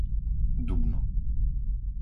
Dubno